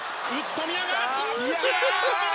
富永！